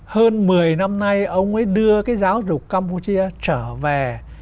hơn một mươi năm nay ông ấy đưa cái giáo dục campuchia trở về